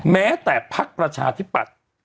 แม้แต่พักประชาธิปัตย์